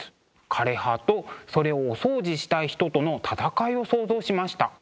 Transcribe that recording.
枯れ葉とそれをお掃除したい人との戦いを想像しました。